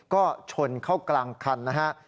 ก็ชนเข้ากลางคันนะฮะ